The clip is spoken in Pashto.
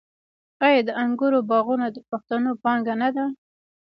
آیا د انګورو باغونه د پښتنو پانګه نه ده؟